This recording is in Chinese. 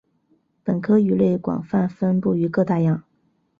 本科鱼类广泛分布于各大洋。